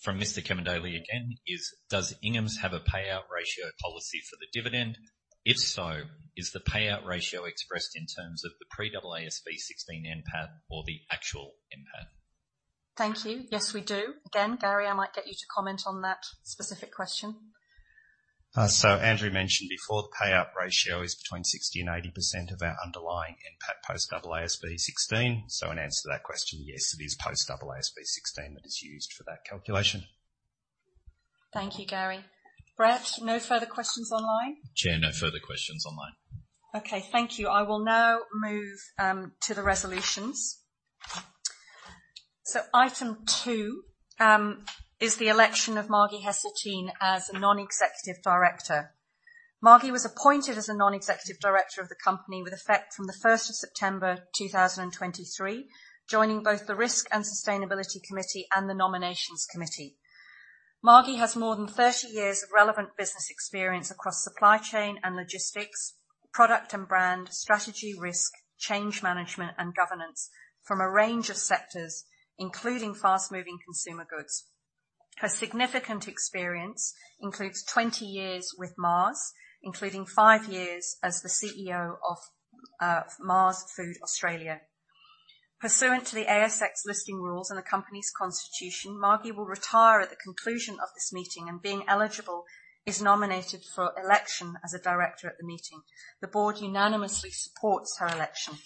from Mr. Kevin Daly again, is: Does Inghams have a payout ratio policy for the dividend? If so, is the payout ratio expressed in terms of the pre-AASB 16 NPAT or the actual NPAT? Thank you. Yes, we do. Again, Gary, I might get you to comment on that specific question. So Andrew mentioned before, the payout ratio is between 60% and 80% of our underlying NPAT post AASB 16. In answer to that question, yes, it is post AASB 16 that is used for that calculation. Thank you, Gary. Brett, no further questions online? Chair, no further questions online. Okay, thank you. I will now move to the resolutions. So item two is the election of Margie Haseltine as a non-executive director. Margie was appointed as a non-executive director of the company with effect from the first of September 2023, joining both the Risk and Sustainability Committee and the Nominations Committee. Margie has more than 30 years of relevant business experience across supply chain and logistics, product and brand, strategy, risk, change management, and governance from a range of sectors, including fast-moving consumer goods. Her significant experience includes 20 years with Mars, including 5 years as the CEO of Mars Food Australia. Pursuant to the ASX listing rules and the company's constitution, Margie will retire at the conclusion of this meeting and, being eligible, is nominated for election as a director at the meeting. The board unanimously supports her election.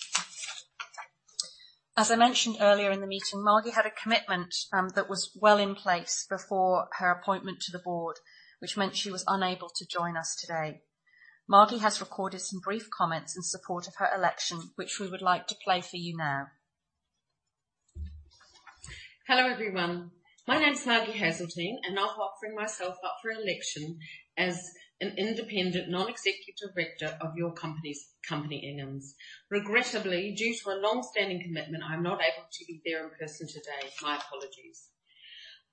As I mentioned earlier in the meeting, Margie had a commitment, that was well in place before her appointment to the board, which meant she was unable to join us today. Margie has recorded some brief comments in support of her election, which we would like to play for you now.... Hello, everyone. My name is Margie Haseltine, and I'm offering myself up for election as an independent, non-executive director of your company's, company, Inghams. Regrettably, due to a long-standing commitment, I'm not able to be there in person today. My apologies.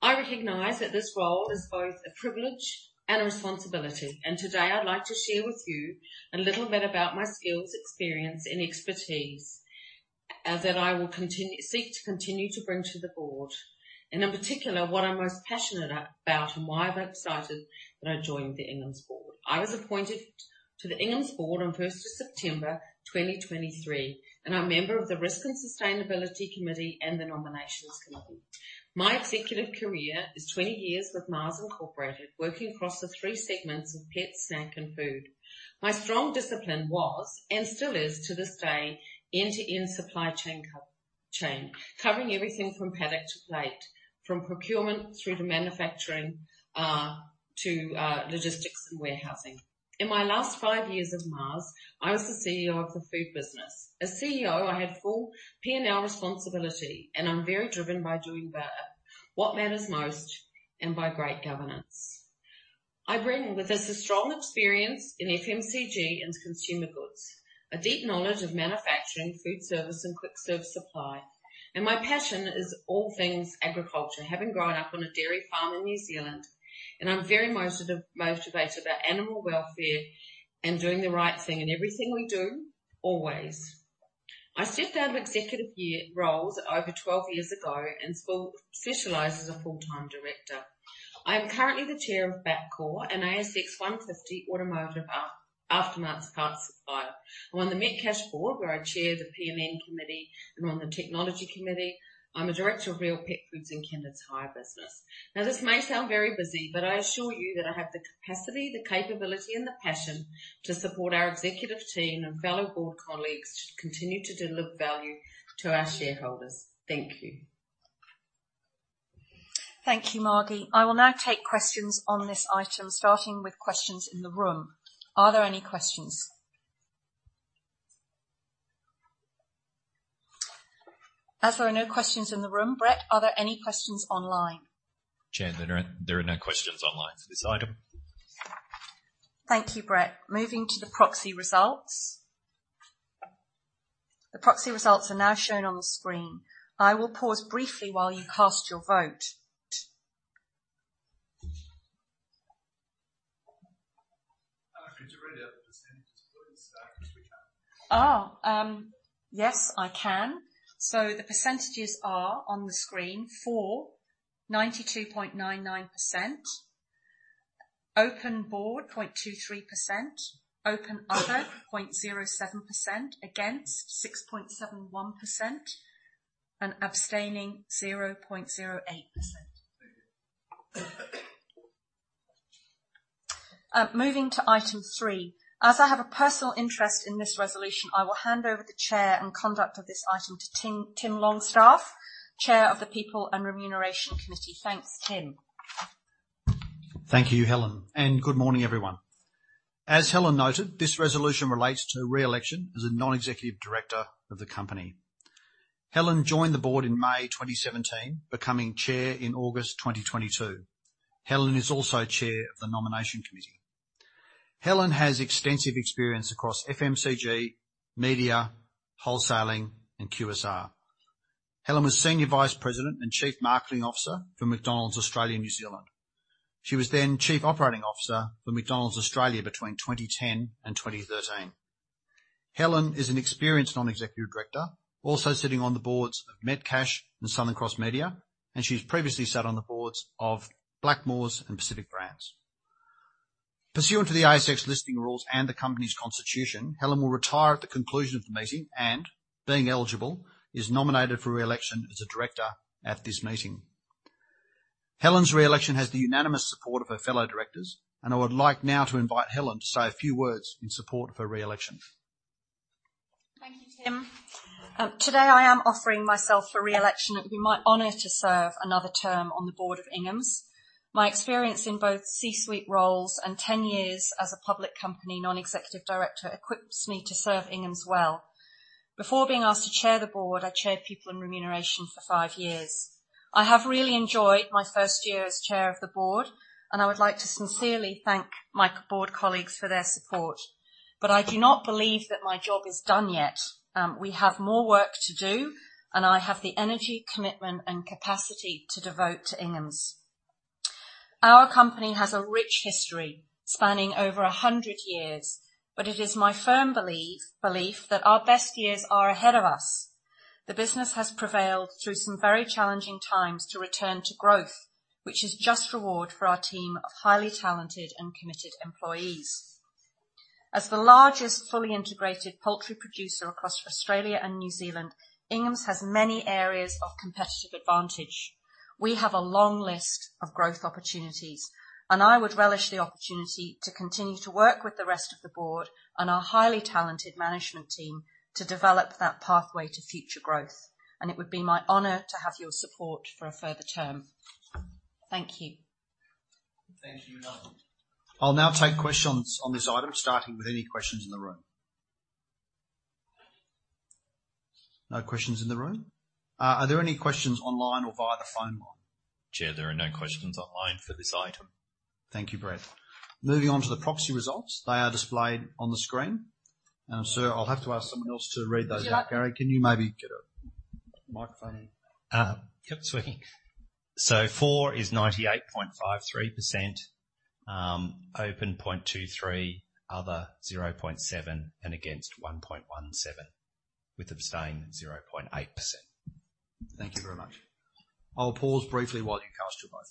I recognize that this role is both a privilege and a responsibility, and today I'd like to share with you a little bit about my skills, experience, and expertise that I seek to continue to bring to the board. In particular, what I'm most passionate about and why I'm excited that I joined the Inghams board. I was appointed to the Inghams board on 1 September 2023, and I'm a member of the Risk and Sustainability Committee and the Nominations Committee. My executive career is 20 years with Mars, Incorporated, working across the 3 segments of pets, snack, and food. My strong discipline was, and still is to this day, end-to-end supply chain, covering everything from paddock to plate, from procurement through to manufacturing, to logistics and warehousing. In my last five years at Mars, I was the CEO of the food business. As CEO, I had full P&L responsibility, and I'm very driven by doing better what matters most, and by great governance. I bring with this a strong experience in FMCG and consumer goods, a deep knowledge of manufacturing, food service, and quick-service supply. My passion is all things agriculture, having grown up on a dairy farm in New Zealand, and I'm very motivated about animal welfare and doing the right thing in everything we do, always. I stepped out of executive roles over 12 years ago and specialized as a full-time director. I am currently the chair of Bapcor, an ASX 150 automotive aftermarket parts supplier. I'm on the Metcash board, where I chair the PMM committee and on the technology committee. I'm a director of Real Pet Food Company and Kennards Hire business. Now, this may sound very busy, but I assure you that I have the capacity, the capability, and the passion to support our executive team and fellow board colleagues to continue to deliver value to our shareholders. Thank you. Thank you, Margie. I will now take questions on this item, starting with questions in the room. Are there any questions? As there are no questions in the room, Brett, are there any questions online? Chair, there are no questions online for this item. Thank you, Brett. Moving to the proxy results. The proxy results are now shown on the screen. I will pause briefly while you cast your vote. Could you read out the percentages, please, if we can? Yes, I can. So the percentages are on the screen: for, 92.99%, open board, 0.23%, open other, 0.07%, against, 6.71%, and abstaining, 0.08%. Thank you. Moving to item three. As I have a personal interest in this resolution, I will hand over the chair and conduct of this item to Tim Longstaff, Chair of the People and Remuneration Committee. Thanks, Tim. Thank you, Helen, and good morning, everyone. As Helen noted, this resolution relates to re-election as a non-executive director of the company. Helen joined the board in May 2017, becoming chair in August 2022. Helen is also Chair of the Nomination Committee. Helen has extensive experience across FMCG, media, wholesaling, and QSR. Helen was Senior Vice President and Chief Marketing Officer for McDonald's Australia and New Zealand. She was then Chief Operating Officer for McDonald's Australia between 2010 and 2013. Helen is an experienced non-executive director, also sitting on the boards of Metcash and Southern Cross Media, and she's previously sat on the boards of Blackmores and Pacific Brands. Pursuant to the ASX listing rules and the company's constitution, Helen will retire at the conclusion of the meeting and, being eligible, is nominated for re-election as a director at this meeting. Helen's re-election has the unanimous support of her fellow directors, and I would like now to invite Helen to say a few words in support of her re-election. Thank you, Tim. Today, I am offering myself for re-election. It would be my honor to serve another term on the board of Inghams. My experience in both C-suite roles and 10 years as a public company, non-executive director, equips me to serve Inghams well. Before being asked to chair the board, I chaired People and Remuneration for 5 years. I have really enjoyed my first year as Chair of the board, and I would like to sincerely thank my board colleagues for their support. But I do not believe that my job is done yet. We have more work to do, and I have the energy, commitment, and capacity to devote to Inghams. Our company has a rich history spanning over 100 years, but it is my firm belief that our best years are ahead of us. The business has prevailed through some very challenging times to return to growth, which is just reward for our team of highly talented and committed employees. As the largest, fully integrated poultry producer across Australia and New Zealand, Inghams has many areas of competitive advantage. We have a long list of growth opportunities, and I would relish the opportunity to continue to work with the rest of the board and our highly talented management team to develop that pathway to future growth. It would be my honor to have your support for a further term. Thank you. Thank you, Helen. I'll now take questions on this item, starting with any questions in the room... No questions in the room? Are there any questions online or via the phone line? Chair, there are no questions online for this item. Thank you, Brett. Moving on to the proxy results. They are displayed on the screen. So I'll have to ask someone else to read those out. Gary, can you maybe get a microphone? Yep. Sweet. So for is 98.53%, open 0.23%, other 0.7%, and against 1.17%, with abstain 0.8%. Thank you very much. I'll pause briefly while you cast your vote.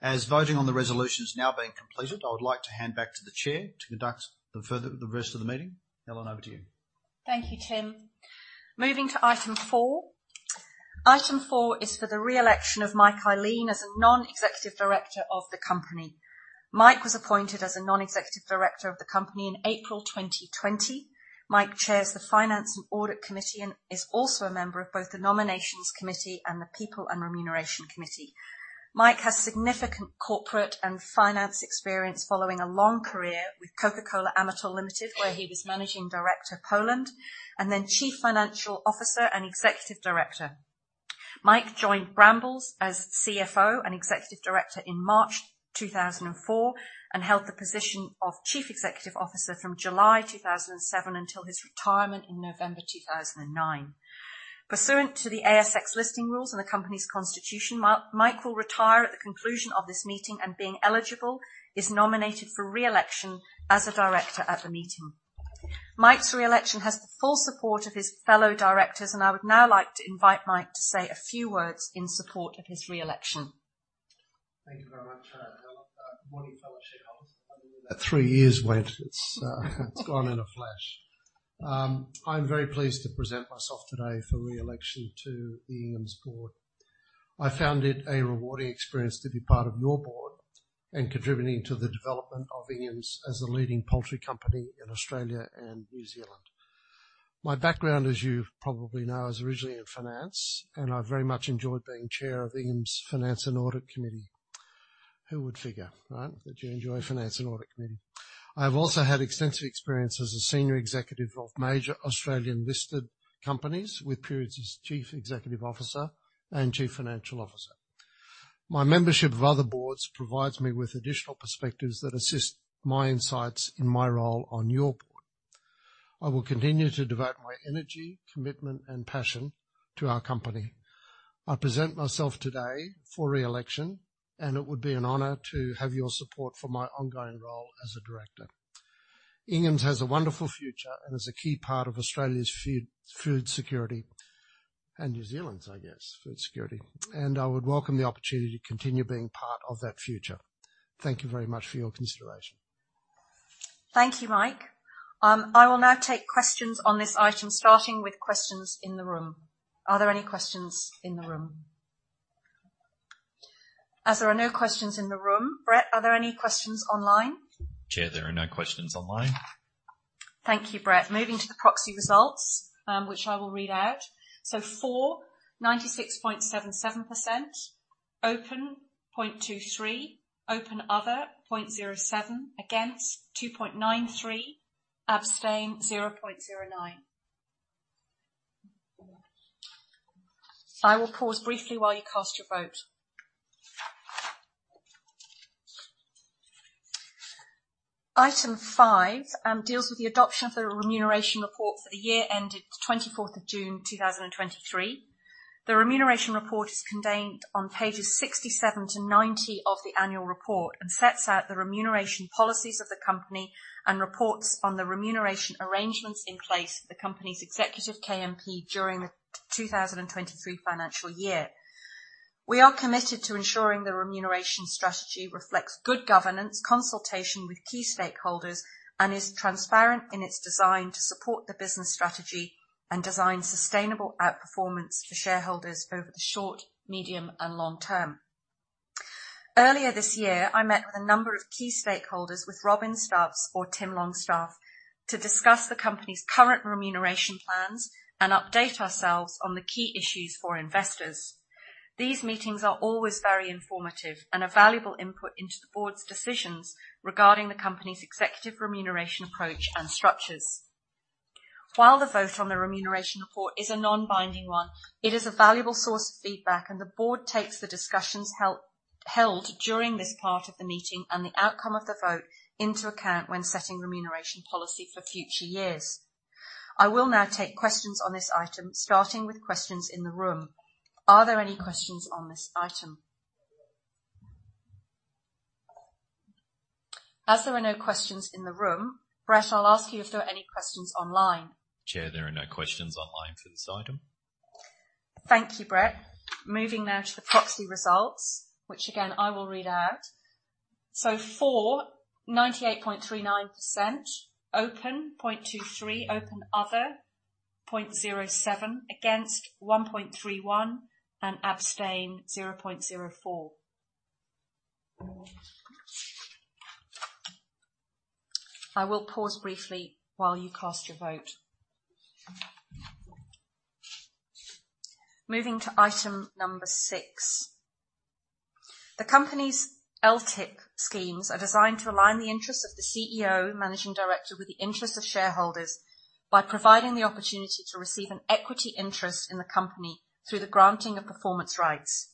As voting on the resolution has now been completed, I would like to hand back to the chair to conduct the rest of the meeting. Helen, over to you. Thank you, Tim. Moving to item four. Item four is for the re-election of Mike Ihlein as a non-executive director of the company. Mike was appointed as a non-executive director of the company in April 2020. Mike chairs the Finance and Audit Committee, and is also a member of both the Nominations Committee and the People and Remuneration Committee. Mike has significant corporate and finance experience following a long career with Coca-Cola Amatil Limited, where he was Managing Director, Poland, and then Chief Financial Officer and Executive Director. Mike joined Brambles as CFO and Executive Director in March 2004, and held the position of Chief Executive Officer from July 2007 until his retirement in November 2009. Pursuant to the ASX listing rules and the company's constitution, Mike will retire at the conclusion of this meeting, and being eligible, is nominated for re-election as a director at the meeting. Mike's re-election has the full support of his fellow directors, and I would now like to invite Mike to say a few words in support of his re-election. Thank you very much, Helen. Good morning, fellow shareholders. Three years went. It's, it's gone in a flash. I'm very pleased to present myself today for re-election to the Inghams board. I found it a rewarding experience to be part of your board and contributing to the development of Inghams as a leading poultry company in Australia and New Zealand. My background, as you probably know, is originally in finance, and I very much enjoyed being chair of the Inghams Finance and Audit Committee. Who would figure, right, that you enjoy finance and audit committee? I've also had extensive experience as a senior executive of major Australian-listed companies, with periods as chief executive officer and chief financial officer. My membership of other boards provides me with additional perspectives that assist my insights in my role on your board. I will continue to devote my energy, commitment and passion to our company. I present myself today for re-election, and it would be an honor to have your support for my ongoing role as a director. Inghams has a wonderful future and is a key part of Australia's food, food security and New Zealand's, I guess, food security, and I would welcome the opportunity to continue being part of that future. Thank you very much for your consideration. Thank you, Mike. I will now take questions on this item, starting with questions in the room. Are there any questions in the room? As there are no questions in the room, Brett, are there any questions online? Chair, there are no questions online. Thank you, Brett. Moving to the proxy results, which I will read out. So for 96.77%, for 0.23%, other 0.07%, against 2.93%, abstain 0.09%. I will pause briefly while you cast your vote. Item five deals with the adoption of the remuneration report for the year ended 24th of June 2023. The remuneration report is contained on pages 67 to 90 of the annual report, and sets out the remuneration policies of the company and reports on the remuneration arrangements in place for the company's executive KMP during the 2023 financial year. We are committed to ensuring the remuneration strategy reflects good governance, consultation with key stakeholders, and is transparent in its design to support the business strategy and design sustainable outperformance for shareholders over the short, medium, and long term. Earlier this year, I met with a number of key stakeholders, with Robyn Stubbs for Tim Longstaff, to discuss the company's current remuneration plans and update ourselves on the key issues for investors. These meetings are always very informative and a valuable input into the board's decisions regarding the company's executive remuneration approach and structures. While the vote on the remuneration report is a non-binding one, it is a valuable source of feedback, and the board takes the discussions held during this part of the meeting and the outcome of the vote into account when setting remuneration policy for future years. I will now take questions on this item, starting with questions in the room. Are there any questions on this item? As there are no questions in the room, Brett, I'll ask you if there are any questions online. Chair, there are no questions online for this item. Thank you, Brett. Moving now to the proxy results, which again, I will read out. So for, 98.39%, open 0.23, open other 0.07, against 1.31, and abstain 0.04. I will pause briefly while you cast your vote.... Moving to item 6. The company's LTIP schemes are designed to align the interests of the CEO, managing director, with the interests of shareholders, by providing the opportunity to receive an equity interest in the company through the granting of performance rights.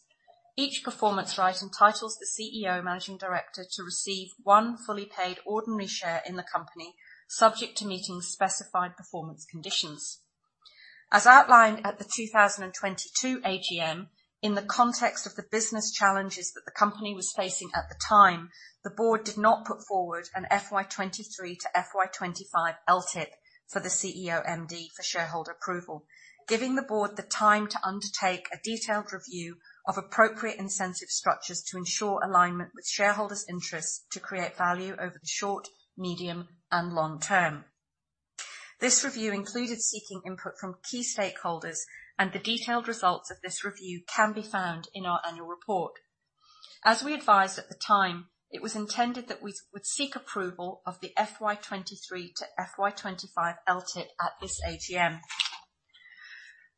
Each performance right entitles the CEO, managing director, to receive one fully paid ordinary share in the company, subject to meeting specified performance conditions. As outlined at the 2022 AGM, in the context of the business challenges that the company was facing at the time, the board did not put forward an FY 23 to FY 25 LTIP for the CEO MD for shareholder approval. Giving the board the time to undertake a detailed review of appropriate incentive structures, to ensure alignment with shareholders' interests to create value over the short, medium, and long term. This review included seeking input from key stakeholders, and the detailed results of this review can be found in our annual report. As we advised at the time, it was intended that we would seek approval of the FY 23 to FY 25 LTIP at this AGM.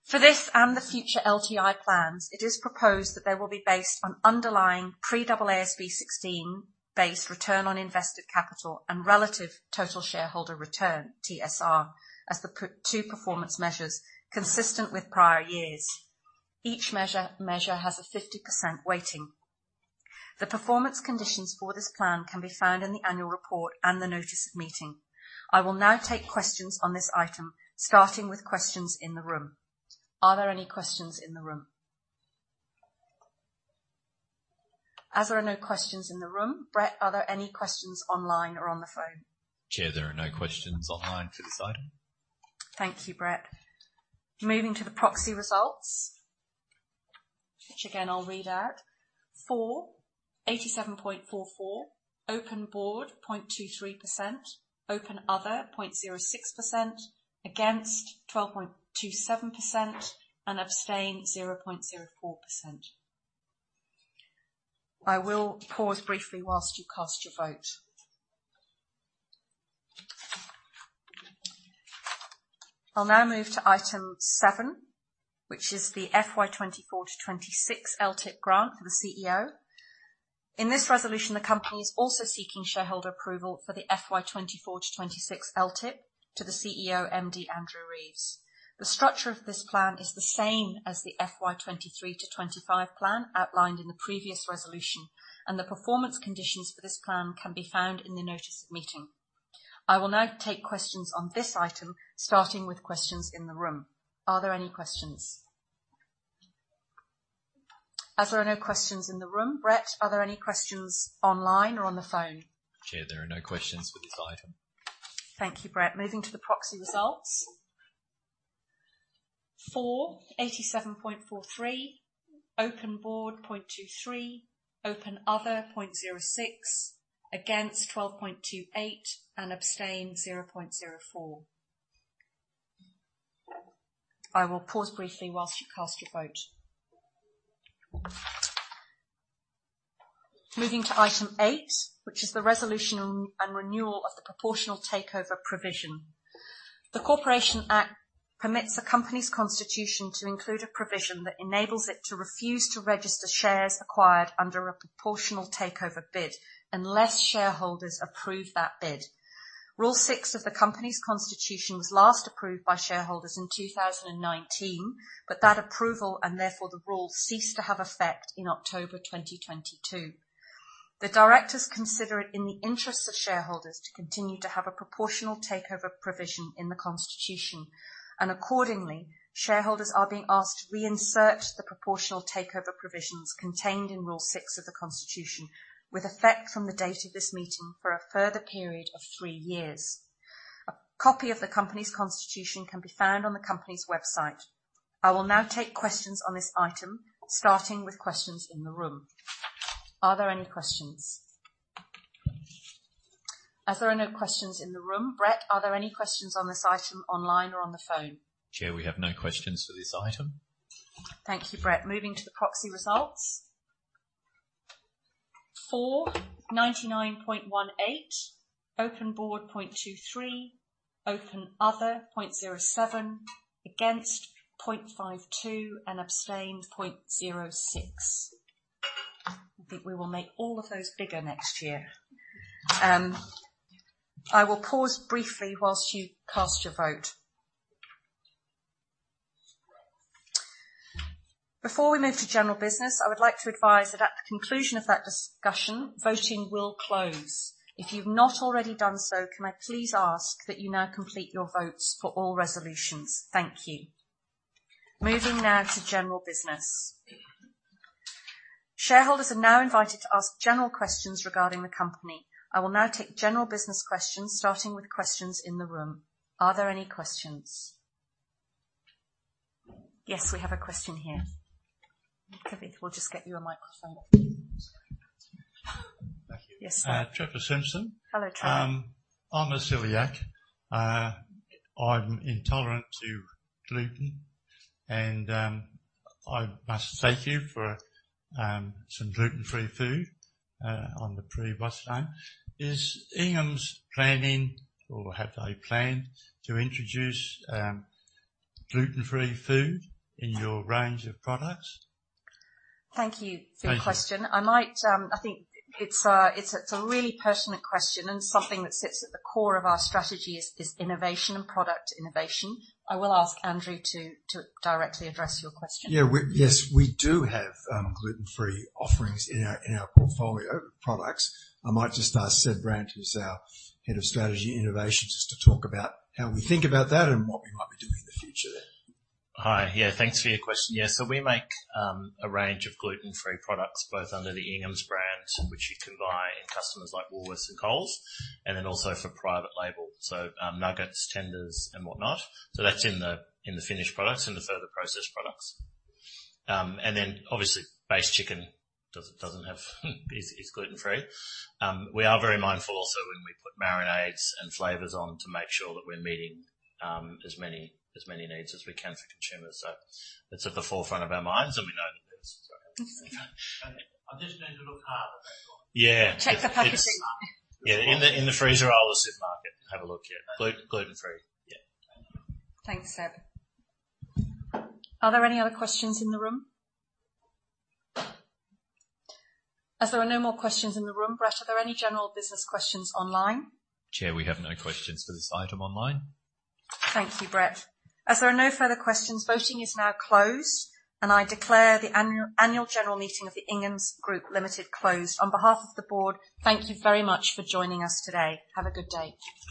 For this and the future LTI plans, it is proposed that they will be based on underlying pre-AASB 16 base return on invested capital and relative total shareholder return, TSR, as the primary two performance measures consistent with prior years. Each measure has a 50% weighting. The performance conditions for this plan can be found in the annual report and the notice of meeting. I will now take questions on this item, starting with questions in the room. Are there any questions in the room? As there are no questions in the room, Brett, are there any questions online or on the phone? Chair, there are no questions online for this item. Thank you, Brett. Moving to the proxy results, which again, I'll read out. For 87.44%, open board 0.23%, open other 0.06%, against 12.27%, and abstain 0.04%. I will pause briefly whilst you cast your vote. I'll now move to item seven, which is the FY 2024-2026 LTIP grant for the CEO. In this resolution, the company is also seeking shareholder approval for the FY 2024-2026 LTIP to the CEO, MD, Andrew Reeves. The structure of this plan is the same as the FY 2023-2025 plan outlined in the previous resolution, and the performance conditions for this plan can be found in the notice of meeting. I will now take questions on this item, starting with questions in the room. Are there any questions? As there are no questions in the room, Brett, are there any questions online or on the phone? Chair, there are no questions for this item. Thank you, Brett. Moving to the proxy results. For 87.43%, open board 0.23%, open other 0.06%, against 12.28%, and abstain 0.04%. I will pause briefly while you cast your vote. Moving to item eight, which is the resolution and renewal of the proportional takeover provision. The Corporations Act permits the company's constitution to include a provision that enables it to refuse to register shares acquired under a proportional takeover bid, unless shareholders approve that bid. Rule 6 of the company's constitution was last approved by shareholders in 2019, but that approval, and therefore the rule, ceased to have effect in October 2022. The directors consider it in the interests of shareholders to continue to have a proportional takeover provision in the Constitution, and accordingly, shareholders are being asked to reinsert the proportional takeover provisions contained in rule six of the Constitution, with effect from the date of this meeting for a further period of three years. A copy of the company's constitution can be found on the company's website. I will now take questions on this item, starting with questions in the room. Are there any questions? As there are no questions in the room, Brett, are there any questions on this item, online or on the phone? Chair, we have no questions for this item. Thank you, Brett. Moving to the proxy results. For 99.18%, open board 0.23%, open other 0.07%, against 0.52%, and abstained 0.06%. I think we will make all of those bigger next year. I will pause briefly while you cast your vote. Before we move to general business, I would like to advise that at the conclusion of that discussion, voting will close. If you've not already done so, can I please ask that you now complete your votes for all resolutions? Thank you. Moving now to general business. Shareholders are now invited to ask general questions regarding the company. I will now take general business questions, starting with questions in the room. Are there any questions? Yes, we have a question here. Kevin, we'll just get you a microphone. Thank you. Yes. Trevor Simpson. Hello, Trevor. I'm a celiac. I'm intolerant to gluten, and I must thank you for some gluten-free food on the pre bust time. Is Inghams planning or have they planned to introduce gluten-free food in your range of products? Thank you for your question. Thank you. I might, I think it's a really pertinent question and something that sits at the core of our strategy is innovation and product innovation. I will ask Andrew to directly address your question. Yeah, yes, we do have gluten-free offerings in our portfolio products. I might just ask Seb Brandt, who's our Head of Strategy and Innovation, just to talk about how we think about that and what we might be doing in the future. Hi. Yeah, thanks for your question. Yeah, so we make a range of gluten-free products, both under the Ingham's brand, which you can buy in customers like Woolworths and Coles, and then also for private label. So, nuggets, tenders and whatnot. So that's in the finished products, in the further processed products. And then obviously, base chicken doesn't have, is gluten-free. We are very mindful also when we put marinades and flavors on to make sure that we're meeting as many needs as we can for consumers. So it's at the forefront of our minds, and we know that- I'm just going to look harder next time. Yeah. Check the packaging. Yeah, in the freezer aisle of the supermarket. Have a look. Yeah. Gluten, gluten-free. Yeah. Thank you. Thanks, Seb. Are there any other questions in the room? As there are no more questions in the room, Brett, are there any general business questions online? Chair, we have no questions for this item online. Thank you, Brett. As there are no further questions, voting is now closed, and I declare the annual general meeting of Inghams Group Limited closed. On behalf of the board, thank you very much for joining us today. Have a good day.